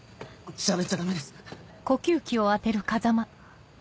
しゃべっちゃダメです。